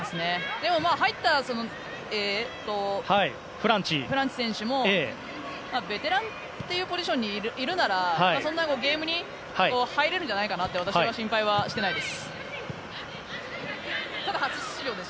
でも、入ったフランチ選手もベテランというポジションにいるならそんなゲームに入れるんじゃないかなって私は心配はしてないです。